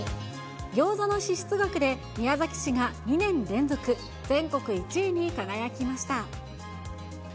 ギョーザの支出額で宮崎市が２年連続全国１位に輝きました。